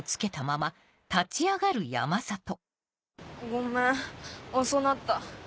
ごめん遅なった。